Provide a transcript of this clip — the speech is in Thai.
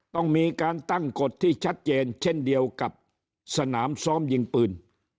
ต้องมีการตั้งกฎที่ชัดเจนเช่นเดียวกับสนามซ้อมยิงปืน